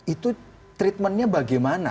itu treatmentnya bagaimana